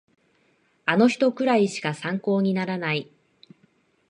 あの人くらいしか参考にならない